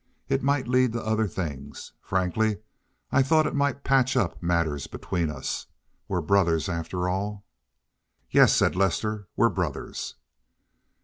It might lead to other things. Frankly, I thought it might patch up matters between us. We're brothers after all." "Yes," said Lester, "we're brothers."